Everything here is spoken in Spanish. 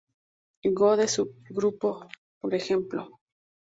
G o del subgrupo: p.ej.